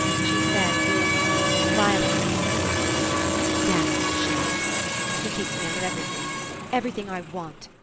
She said vehemently, violently almost: "Damn Jack! He keeps me out of everything. Everything I want.